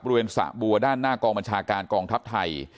บริเวณสระบัวด้านหน้ากองบัญชาการกองทัพไทย